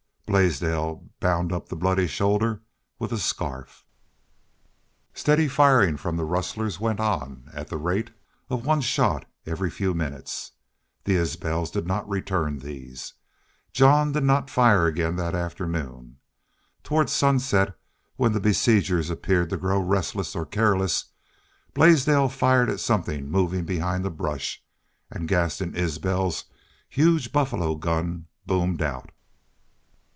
Blaisdell bound up the bloody shoulder with a scarf. Steady firing from the rustlers went on, at the rate of one shot every few minutes. The Isbels did not return these. Jean did not fire again that afternoon. Toward sunset, when the besiegers appeared to grow restless or careless, Blaisdell fired at something moving behind the brush; and Gaston Isbel's huge buffalo gun boomed out.